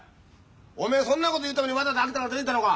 おめえそんなこと言うためにわざわざ秋田から出てきたのか！？